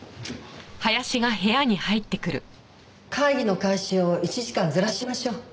会議の開始を１時間ずらしましょう。